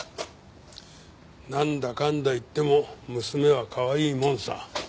なんだかんだ言っても娘はかわいいもんさ。